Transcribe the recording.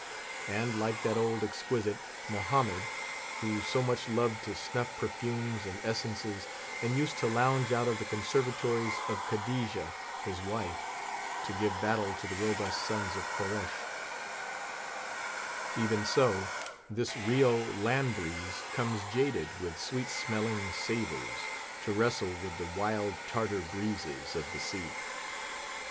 And, like that old exquisite, Mohammed, who so much loved to snuff perfumes and essences, and used to lounge out of the conservatories of Khadija, his wife, to give battle to the robust sons of Koriesh; even so this Rio land breeze comes jaded with sweet smelling savours, to wrestle with the wild Tartar breezes of the sea.